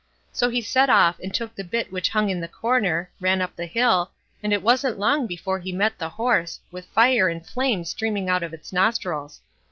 So he set off, and took the bit which hung in the corner, ran up the hill, and it wasn't long before he met the horse, with fire and flame streaming out of its nostrils.